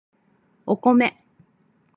お米